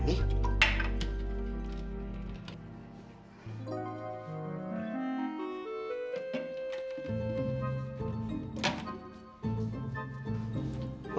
ini pengaruh ruangan